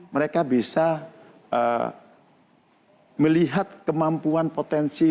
mereka bisa melihat kemampuan potensi